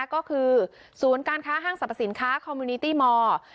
ก็คือศูนย์การค้าห้างสรรพสินค้าคอมมิวนิตี้มอร์